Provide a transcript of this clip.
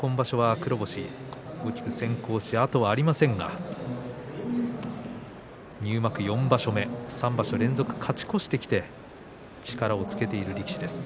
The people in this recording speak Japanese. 黒星が大きく先行し後がありませんが入幕４場所目３場所連続勝ち越してきて力をつけている力士です。